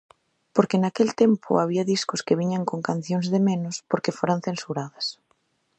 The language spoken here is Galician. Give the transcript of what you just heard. Porque naquel tempo había discos que viñan con cancións de menos porque foran censuradas.